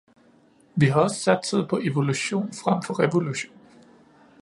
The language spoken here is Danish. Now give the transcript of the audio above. Vi har også satset på evolution frem for revolution.